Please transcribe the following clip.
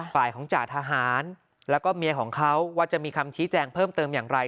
ฝ่ายของจ่าทหารแล้วก็เมียของเขาว่าจะมีคำชี้แจงเพิ่มเติมอย่างไร